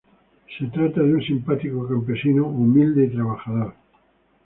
Se trata de un simpático campesino, humilde y trabajador.